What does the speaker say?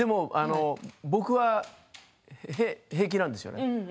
僕は平気なんですよね。